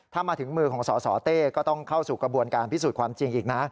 ถ้ามาถึงมือของสสเต้ก็ต้องเข้าสู่กระบวนการพิสูจน์ความจริงอีกนะ